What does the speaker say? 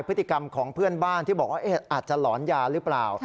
พฤติกรรมของเพื่อนบ้านที่บอกว่าอาจจะหลอนยาหรือเปล่า